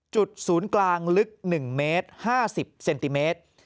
จุดศูนย์กลางลึก๑เมตร๕๐เซนติเมตร